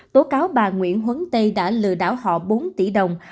tố cáo bà nguyễn khuấn tây đã lừa đảo họ bốn tỷ đồng